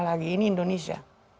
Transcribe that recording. lagi ini indonesia